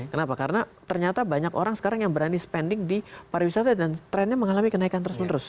kenapa karena ternyata banyak orang sekarang yang berani spending di pariwisata dan trennya mengalami kenaikan terus menerus